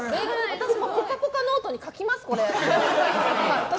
私も「ぽかぽか」ノートに書きます、これ。